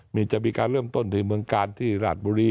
จะมีการเริ่มต้นที่เมืองกาลที่ราชบุรี